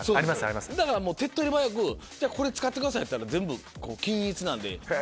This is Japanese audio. だから手っ取り早くこれ使って！ってやったら全部均一なんで。